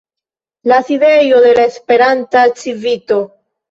la sidejo de la Esperanta Civito.